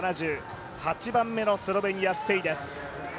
８番目のスロベニアステイです。